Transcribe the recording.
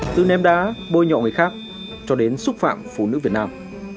từ ném đá bôi nhọ người khác cho đến xúc phạm phụ nữ việt nam